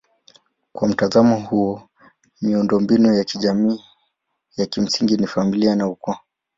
Kwa mtazamo huo miundombinu ya kijamii ya kimsingi ni familia na ukoo.